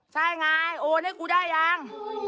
ใช่ไงโอนให้กูได้ยัง